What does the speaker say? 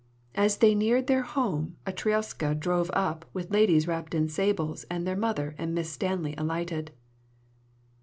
As they neared their home a troiska drove up with ladies wrapped in sables, and their mother and Miss Stanley alighted.